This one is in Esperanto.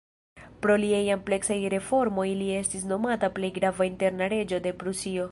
Pro liaj ampleksaj reformoj li estis nomata "plej grava interna reĝo de Prusio".